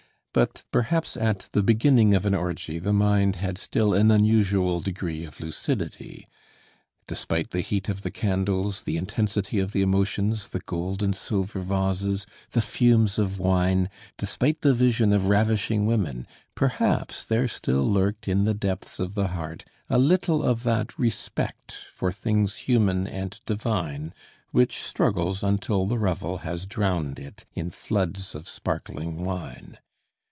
But perhaps at the beginning of an orgy the mind had still an unusual degree of lucidity. Despite the heat of the candles, the intensity of the emotions, the gold and silver vases, the fumes of wine, despite the vision of ravishing women, perhaps there still lurked in the depths of the heart a little of that respect for things human and divine which struggles until the revel has drowned it in floods of sparkling wine.